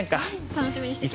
楽しみにしてきました。